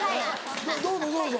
どうぞどうぞ。